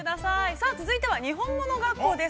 さあ、続いては、「にほんもの学校」です。